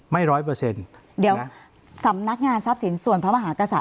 ร้อยเปอร์เซ็นต์เดี๋ยวสำนักงานทรัพย์สินส่วนพระมหากษัตริย